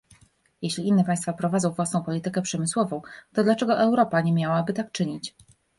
Jeśli inne państwa prowadzą własną politykę przemysłową, to dlaczego Europa nie miałaby tak czynić?